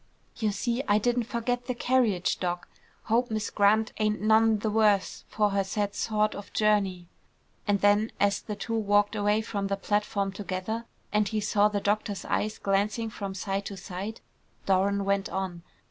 "You see, I didn't forget the carriage, Doc. Hope Miss Grant ain't none the worse for her sad sort of journey." And then as the two walked away from the platform together, and he saw the doctor's eyes glancing from side to side, Doran went on.